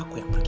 aku yang pergi